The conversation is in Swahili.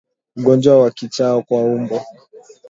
Ugonjwa wa kichaa cha mbwa